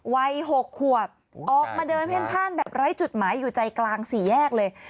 วัย๖ขวบออกมาเดินเพ่นพ่านแบบไร้จุดหมายอยู่ใจกลางสี่แยกเลย